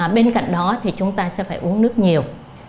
bên cạnh đó thì chúng ta sẽ phải uống nước nhiều